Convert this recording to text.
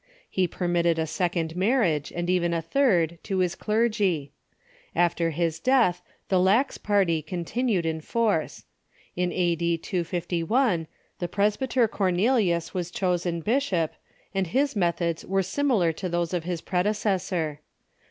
He permitted a second marriage, and even a third, to his clergy. After his death the lax party continued in force. In a.d. 251 the presbyter Cornelius was chosen bishop, ECCLESIASTICAL SCHISMS 55 and his methods were similar to those of his predecessor.